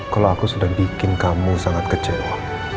kalau aku sudah bikin kamu sangat kecewa